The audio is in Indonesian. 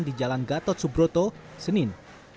di jalan gatot subroto senin